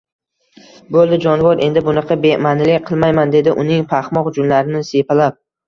Bo`ldi jonivor, endi bunaqa bema`nilik qilmayman, dedi uning paxmoq junlarini siypalab